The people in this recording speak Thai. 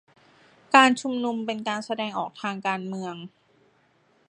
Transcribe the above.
การชุมนุมเป็นการแสดงออกทางการเมือง